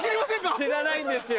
知らないんですよ。